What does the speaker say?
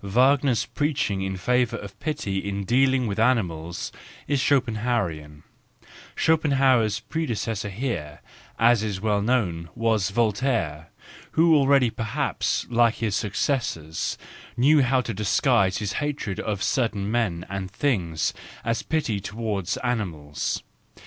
Wagner's preaching in favour of pity in dealing with animals is Schopen¬ hauerian; Schopenhauer's predecessor here, as is well known, was Voltaire, who already perhaps, like his successors, knew how to disguise his hatred of certain men and things as pity towards animals.